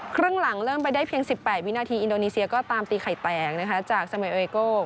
ครึ่งหลังเริ่มไปได้เพียง๑๘วินาทีอินโดนีเซียก็ตามตีไข่แตกนะคะจากเสมอเรโก้